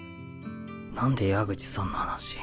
なんで矢口さんの話。